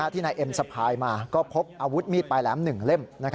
นายเอ็มสะพายมาก็พบอาวุธมีดปลายแหลม๑เล่ม